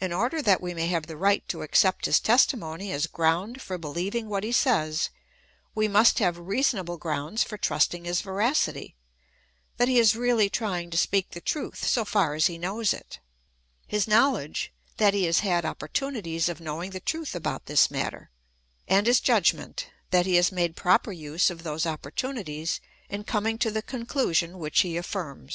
In order that we may have the right to accept his testimony as ground for believing what he says, we must have reasonable grounds for trusting his veracity, that he is really trying to speak the truth so far as he knows it ; his knoioledge, that he has had opportunities of knowing the truth about this matter ; and his judgment, that he has made proper use of those opportunities in coming to the conclusion which he affirms.